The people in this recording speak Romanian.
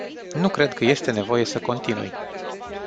Nu cred că este nevoie să continui.